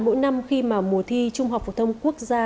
mỗi năm khi mà mùa thi trung học phổ thông quốc gia